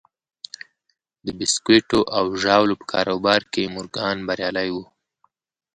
د بیسکويټو او ژاولو په کاروبار کې مورګان بریالی و